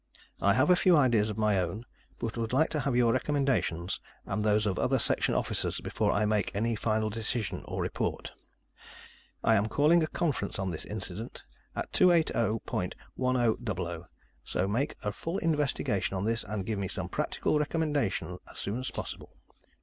I have a few ideas of my own, but would like to have your recommendations and those of other section officers before I make any final decision or report. I am calling a conference on this incident at 280.1000, so make a full investigation on this, and give me some practical recommendation as soon as possible.